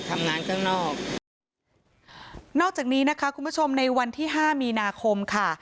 ต่างจากนี้นะคะคุณผู้ชมในวันที่๕มีนาคมค่ะ